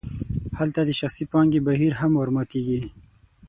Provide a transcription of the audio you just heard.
هلته د شخصي پانګې بهیر هم ورماتیږي.